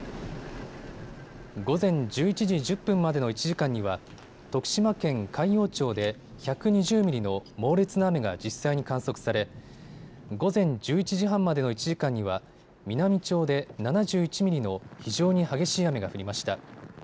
午前１１時１０分までの１時間には徳島県海陽町で１２０ミリの猛烈な雨が実際に観測され午前１１時半までの１時間には美波町で７１ミリの非常に激しい雨が降りました。